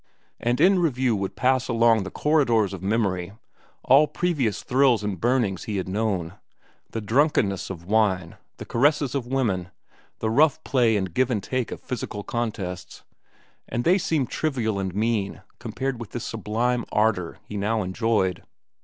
And in review would pass along the corridors of memory all previous thrills and burnings he had known,—the drunkenness of wine, the caresses of women, the rough play and give and take of physical contests,—and they seemed trivial and mean compared with this sublime ardor he now enjoyed.